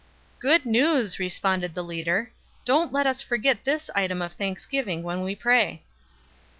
"Good news," responded the leader. "Don't let us forget this item of thanksgiving when we pray."